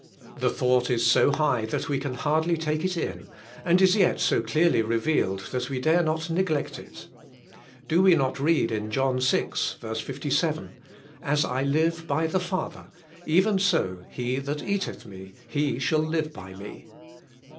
The thought is so high that we can hardly take it in, and is yet so clearly revealed, that we dare not neglect it. Do we not read in John vi. (ver, 57), ^As I live by the Father, even so he that eateth me, he shall live by me'?